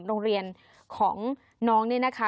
โรงเรียนของน้องนี่นะคะ